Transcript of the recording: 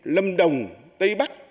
lâm đồng tây bắc